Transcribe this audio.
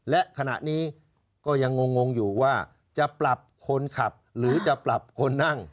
และขณะนี้ก็ยังงงอยู่ว่าจะปรับคนขับหรือจะปรับคนนั่ง